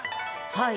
はい。